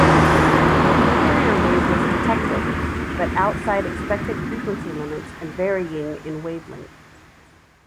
A carrier wave was detected, but outside expected frequency limits and varying in wavelength.